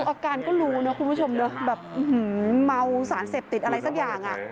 ดูอาการก็รู้นะคุณผู้ชมดูแบบเหมือนเมาสารเสพติดอะไรสักอย่าง